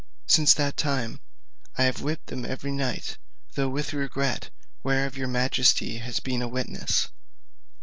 Since that time I have whipped them every night, though with regret, whereof your majesty has been a witness.